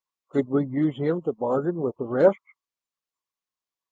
Could we use him to bargain with the rest?"